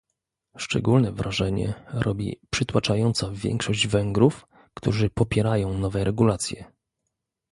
Szczególne wrażenie robi przytłaczająca większość Węgrów, którzy popierają nowe regulacje